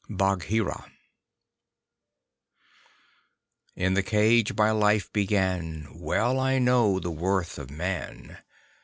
_ BAGHEERA In the cage my life began; Well I know the worth of Man.